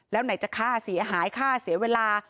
แล้วไหนจะค่าเสียหายค่าเสียเวลา